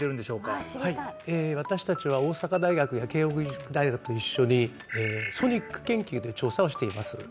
はい私達は大阪大学や慶應義塾大学と一緒にＳＯＮＩＣ研究という調査をしています